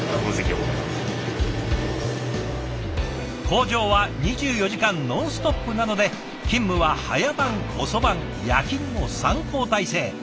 工場は２４時間ノンストップなので勤務は早番遅番夜勤の３交代制。